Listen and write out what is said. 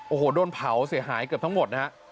โอ้โหโดนเผาเสียหายเกือบทั้งหมดนะฮะ